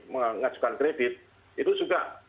mengajukan kredit itu juga